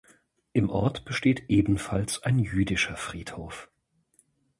Im Ort besteht ebenfalls ein jüdischer Friedhof.